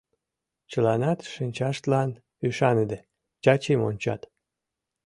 Чыланат, шинчаштлан ӱшаныде, Чачим ончат.